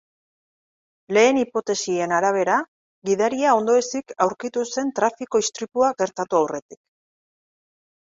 Lehen hipotesien arabera, gidaria ondoezik aurkitu zen trafiko istripua gertatu aurretik.